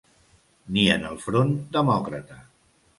Ni en el front demòcrata.